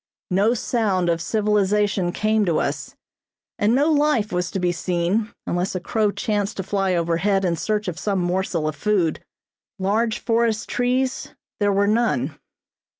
No sound of civilization came to us, and no life was to be seen unless a crow chanced to fly overhead in search of some morsel of food. Large forest trees there were none.